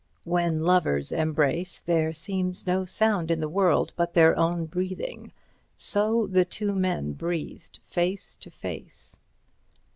When lovers embrace, there seems no sound in the world but their own breathing. So the two men breathed face to face.